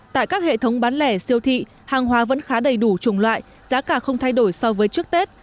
tại các hệ thống bán lẻ siêu thị hàng hóa vẫn khá đầy đủ chủng loại giá cả không thay đổi so với trước tết